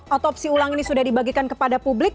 otopsi ulang ini sudah dibagikan kepada publik